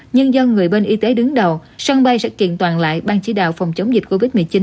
nhưng do người bên y tế đứng đầu sân bay sẽ kiện toàn lại ban chỉ đạo phòng chống dịch covid một mươi chín